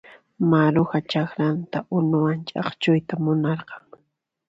Maruja chakranta unuwan ch'akchuyta munarqan.